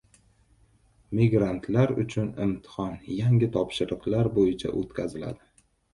Migrantlar uchun imtihon yangi topshiriqlar bo‘yicha o‘tkaziladi